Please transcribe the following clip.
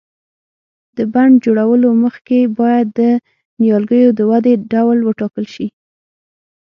د بڼ جوړولو مخکې باید د نیالګیو د ودې ډول وټاکل شي.